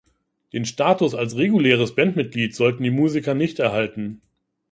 Den Status als reguläres Bandmitglied sollten die Musiker nicht erhalten.